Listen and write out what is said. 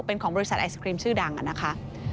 เป็นของบริษัทไอศครีมชื่อดังนะคะ